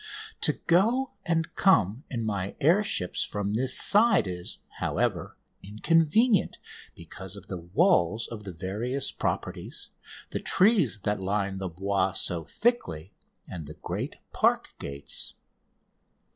To go and come in my air ships from this side is, however, inconvenient because of the walls of the various properties, the trees that line the Bois so thickly, and the great park gates.